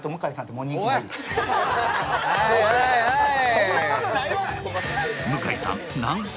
そんなことないわい！